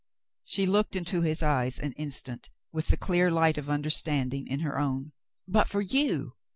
She looked into his eyes an instant with the clear light of understanding in her own. "But for you